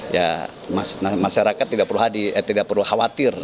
ya masyarakat tidak perlu khawatir